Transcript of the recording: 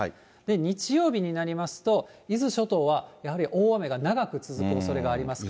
日曜日になりますと、伊豆諸島はやはり大雨が長く続くおそれがありますから。